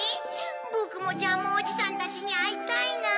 ぼくもジャムおじさんたちにあいたいな。